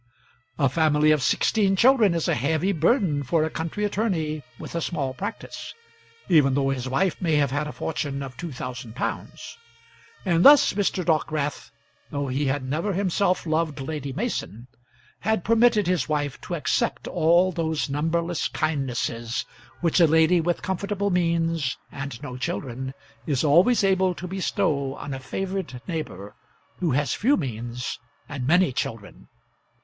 A family of sixteen children is a heavy burden for a country attorney with a small practice, even though his wife may have had a fortune of two thousand pounds; and thus Mr. Dockwrath, though he had never himself loved Lady Mason, had permitted his wife to accept all those numberless kindnesses which a lady with comfortable means and no children is always able to bestow on a favoured neighbour who has few means and many children.